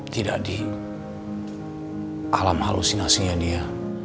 tidak di alam halusinasinya dia